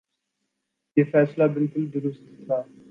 یہ فیصلہ بالکل درست تھا۔